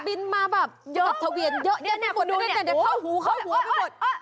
บินมาแบบเยอะมากประกับทะเวียนเยอะเนี่ยคุณดูเนี่ยเข้าหูเข้าหัวไปหมด